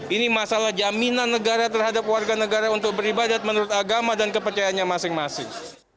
ini masalah jaminan negara terhadap warga negara untuk beribadat menurut agama dan kepercayaannya masing masing